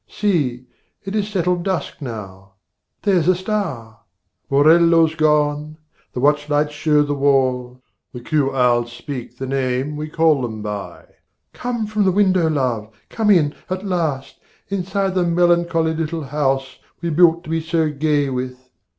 See, it is settled dusk now; there's a star; Morello's gone, the watch lights show the wall, The cue owls speak the name we call them by. Come from the window, love, come in, at last, Inside the melancholy little house We built to be so gay with.